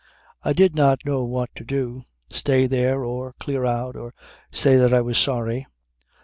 I did not know what to do: stay there, or clear out, or say that I was sorry.